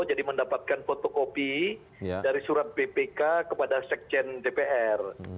jadi mendapatkan fotokopi dari surat bpk kepada sekjen dpr